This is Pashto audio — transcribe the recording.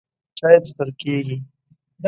چای څښل کېږي.